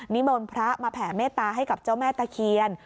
มนต์พระมาแผ่เมตตาให้กับเจ้าแม่ตะเคียน